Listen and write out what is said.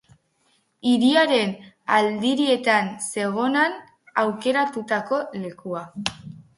Hiriaren aldirietan zegonan aukeratutako lekua.